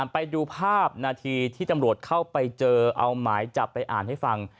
ไปดูภาพนาทีที่ตำรวจเข้าไปเจอเอาหมายจับไปอ่านให้ฟัง